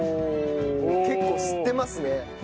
結構吸ってますね。